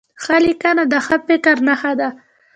ښه لیکنه د ښه فکر نښه ده.